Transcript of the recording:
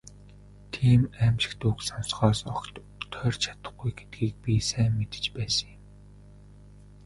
Тийм «аймшигт» үг сонсохоос огт тойрч чадахгүй гэдгийг би сайн мэдэж байсан юм.